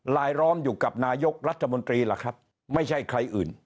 ลายล้อมอยู่กับนายกรัฐมนตรีล่ะครับไม่ใช่ใครอื่น